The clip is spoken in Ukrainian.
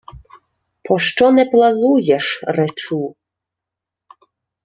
— Пощо не плазуєш, речу?